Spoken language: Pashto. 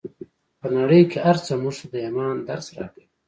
په نړۍ کې هر څه موږ ته د ايمان درس راکوي.